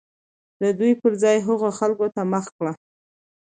د دوى پر ځاى هغو خلكو ته مخه كړه